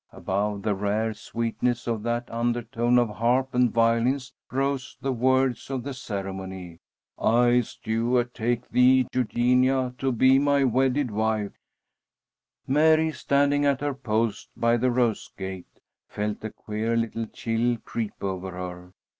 Above the rare sweetness of that undertone of harp and violins rose the words of the ceremony: "I, Stuart, take thee, Eugenia, to be my wedded wife." Mary, standing at her post by the rose gate, felt a queer little chill creep over her.